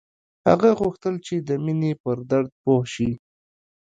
هغه غوښتل چې د مینې پر درد پوه شي